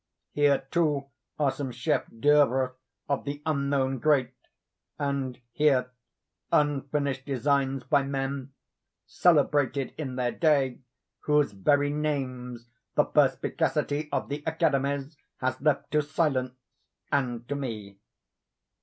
Here, too, are some chefs d'oeuvre of the unknown great; and here, unfinished designs by men, celebrated in their day, whose very names the perspicacity of the academies has left to silence and to me.